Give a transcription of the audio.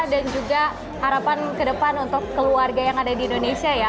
dan juga harapan ke depan untuk keluarga yang ada di indonesia ya